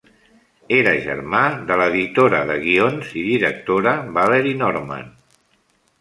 Era germà de l'editora de guions i directora Valerie Norman.